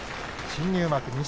新入幕錦